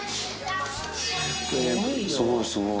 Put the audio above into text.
すごい、すごい。